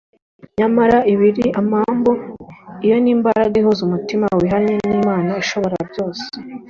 nyamara ibiri amambu iyo ni imbaraga ihuza umutima wihannye n'Imana Ishobora byose